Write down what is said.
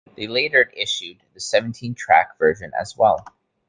They later issued the seventeen-track version as well.